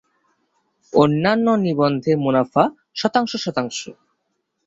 অন্যান্য নিবন্ধের মুনাফা শতাংশ শতাংশ।